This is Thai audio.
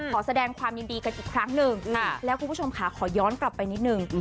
ขอแสดงความยินดีกันอีกครั้งหนึ่งแล้วคุณผู้ชมค่ะขอย้อนกลับไปนิดนึง